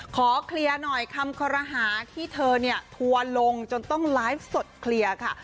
ขอเคลียร์หน่อยคำคอรหาที่เธอเนี่ยทัวร์ลงจนต้องไลฟ์สดเคลียร์ค่ะ